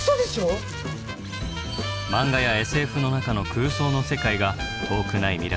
マンガやＳＦの中の空想の世界が遠くない未来